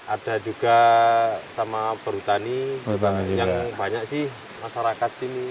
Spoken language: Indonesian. ada juga sama perhutani yang banyak sih masyarakat sini